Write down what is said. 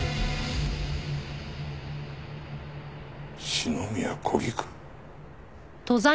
篠宮小菊？